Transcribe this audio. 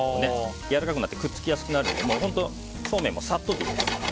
やわらかくなってくっつきやすくなるのでそうめんもさっとでいいです。